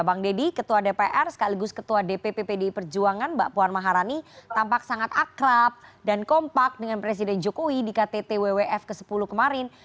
bang deddy ketua dpr sekaligus ketua dpp pdi perjuangan mbak puan maharani tampak sangat akrab dan kompak dengan presiden jokowi di ktt wwf ke sepuluh kemarin